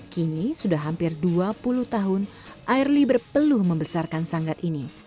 kini sudah hampir dua puluh tahun airly berpeluh membesarkan sanggar ini